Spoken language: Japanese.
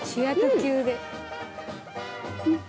うん！